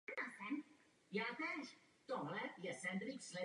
Tento výklad již neplatí.